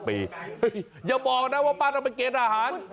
เฮ้ยอย่าบอกนะว่าป้าทำไมเกลียดอาหาร